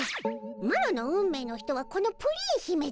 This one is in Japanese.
マロの運命の人はこのプリン姫じゃ！